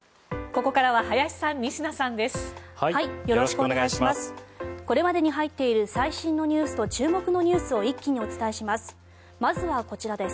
これまでに入っている最新のニュースと注目のニュースを一気にお伝えします。